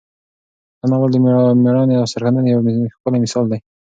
دا ناول د میړانې او سرښندنې یو ښکلی مثال دی.